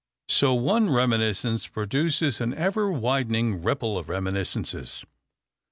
So one reminiscence produces an ever widening ripple of reminiscences.